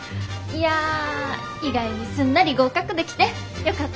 いや意外にすんなり合格できてよかったです。